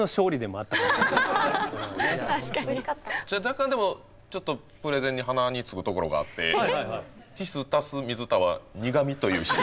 若干でもちょっとプレゼンに鼻につくところがあってティス足す水田は苦味という式。